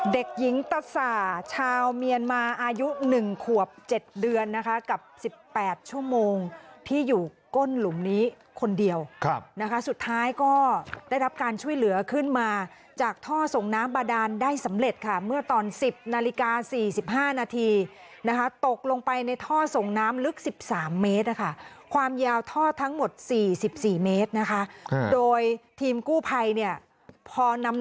เด็กหญิงตะสาชาวเมียนมาอายุ๑ขวบ๗เดือนนะคะกับ๑๘ชั่วโมงที่อยู่ก้นหลุมนี้คนเดียวนะคะสุดท้ายก็ได้รับการช่วยเหลือขึ้นมาจากท่อส่งน้ำบาดานได้สำเร็จค่ะเมื่อตอน๑๐นาฬิกา๔๕นาทีนะคะตกลงไปในท่อส่งน้ำลึก๑๓เมตรนะคะความยาวท่อทั้งหมด๔๔เมตรนะคะโดยทีมกู้ภัยเนี่ยพอนำ